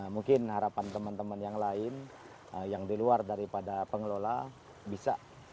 mungkin harapan teman teman yang lain yang di luar daripada pengelola bisa